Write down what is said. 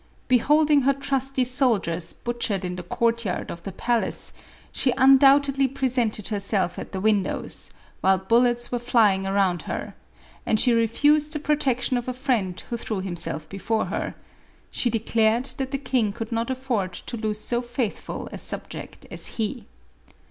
Be holding her trusty soldiers butchered in the courtyard of the palace, she undauntedly presented herself at the windows, while bullets were flying around her; and she refused the protection of a friend who threw him self before her ; she declared that the king could not afford to lose so faithful a subject as he.